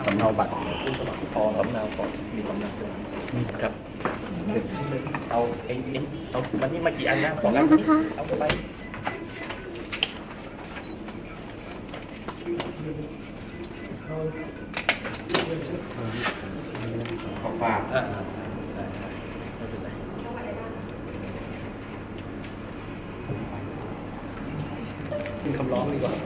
อันนี้รับได้อันนี้รับไม่ได้รับได้ครับเดี๋ยวว่าเพราะว่าท่านแน่มาอยู่แล้วแต่ว่ามันปรากฏในคำลองโอเคครับผม